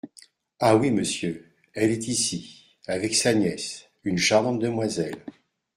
Ah ! oui, monsieur… elle est ici… avec sa nièce… une charmante demoiselle.